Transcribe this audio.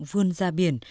vươn ra biển